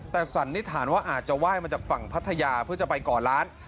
แต่สันนิษฐานว่าอาจจะไหว้มาจากฝั่งพัทยาเพื่อจะไปก่อร้าน